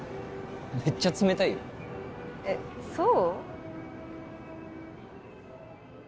めっちゃ冷たいよえっそう？